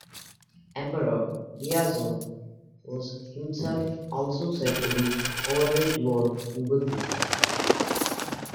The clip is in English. Emperor Daizong was himself also said to be overly devout in Buddhism.